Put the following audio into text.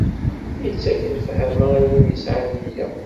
Ittak lefhama i win yesɛan nniya.